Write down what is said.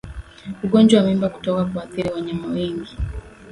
Ugonjwa wa mimba kutoka huathiri wanyama wengi